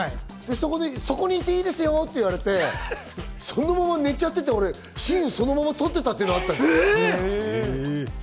そこにいていいですよって言われてそのまま寝ちゃってて、シーンをそのまま撮ってたっていうのはあったよ。